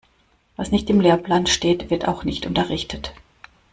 Was nicht im Lehrplan steht, wird auch nicht unterrichtet.